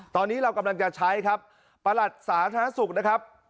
ตอนนี้เรากำลังจะใช้ครับประหลัดสาธารณสุขนะครับ